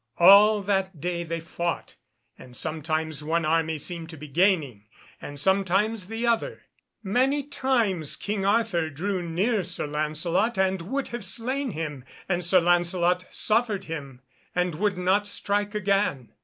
All that day they fought, and sometimes one army seemed to be gaining, and sometimes the other. Many times King Arthur drew near Sir Lancelot, and would have slain him, and Sir Lancelot suffered him, and would not strike again.